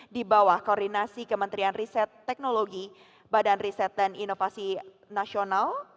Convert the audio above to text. di bawah koordinasi kementerian riset teknologi badan riset dan inovasi nasional